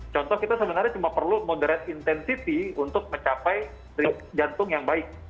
contoh kita sebenarnya cuma perlu moderate intensity untuk mencapai jantung yang baik